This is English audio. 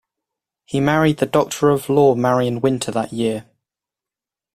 He married the doctor of law Marion Winter that year.